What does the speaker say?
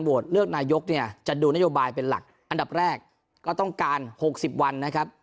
เลือกนายกเนี่ยจะดูนโยบายเป็นหลักอันดับแรกก็ต้องการ๖๐วันนะครับ